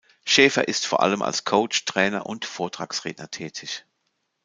Schäfer ist vor allem als Coach, Trainer und Vortragsredner tätig.